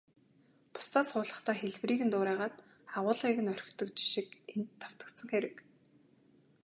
Бусдаас хуулахдаа хэлбэрийг нь дуурайгаад, агуулгыг нь орхидог жишиг энд давтагдсан хэрэг.